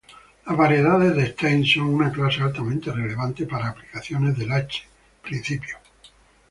Las variedades de Stein son una clase altamente relevante para aplicaciones del "h"-principio.